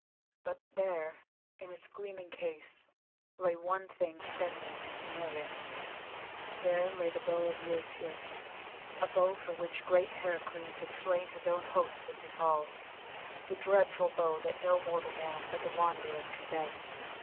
But there, in its gleaming case, lay one thing friendly and familiar. There lay the Bow of Eurytus, the bow for which great Heracles had slain his own host in his halls; the dreadful bow that no mortal man but the Wanderer could bend.